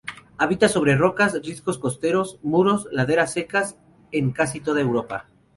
Habita sobre rocas, riscos costeros, muros, laderas secas en casi toda Europa.